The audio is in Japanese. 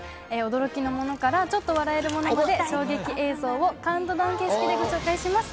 驚きのものからちょっと笑えるものまで、衝撃映像カウントダウン形式でご紹介します。